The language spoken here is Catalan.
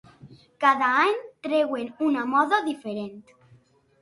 Cada any treuen una moda diferent.